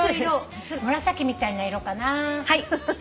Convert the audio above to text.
紫みたいな色かなぁ。